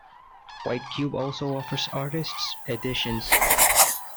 White Cube also offers artists' editions.